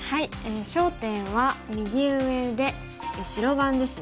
焦点は右上で白番ですね。